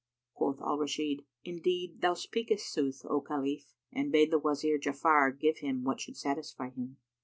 Quoth Al Rashid, "Indeed thou speakest sooth, O Khalif," and bade the Wazir Ja'afar give him what should satisfy him.